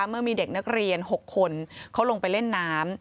เมื่อมีเด็กนักเรียน๖คนเขาลงไปเล่นน้ำ